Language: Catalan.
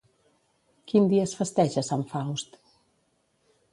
Quin dia es festeja sant Faust?